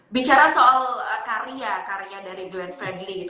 bicara soal karya karya dari glenn fredly gitu